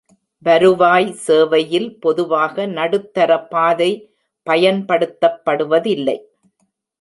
வருவாய் சேவையில் பொதுவாக நடுத்தர பாதை பயன்படுத்தப்படுவதில்லை.